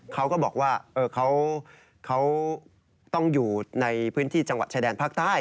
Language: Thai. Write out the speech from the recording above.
เขาก็บอกว่าเขาต้องอยู่ในพื้นที่จังหวัดชายแดนภาคใต้